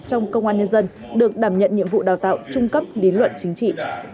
trong công an nhân dân được đảm nhận nhiệm vụ đào tạo trung cấp lý luận chính trị